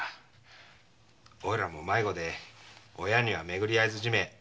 おいらも迷子で親には会えずじめえ。